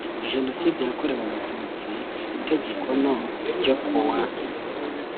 Jenoside yakorewe Abatutsi Itegeko no ryo ku wa